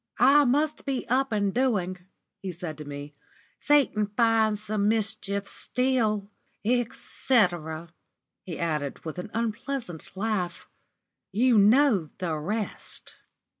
"I must be up and doing," he said to me. "'Satan finds some mischief still,' etc.," he added, with an unpleasant laugh. "You know the rest."